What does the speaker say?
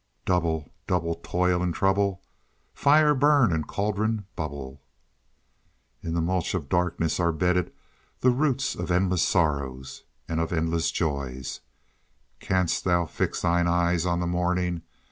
Double, double toil and trouble, Fire burn and cauldron bubble. In a mulch of darkness are bedded the roots of endless sorrows—and of endless joys. Canst thou fix thine eye on the morning?